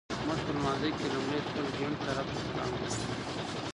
مونږ په لمانځه کي لومړی خپل ګېڼ طرفته سلام ګرځوو